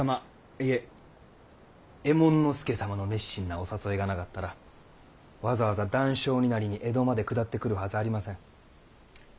いえ右衛門佐様の熱心なお誘いがなかったらわざわざ男妾になりに江戸まで下ってくるはずありません。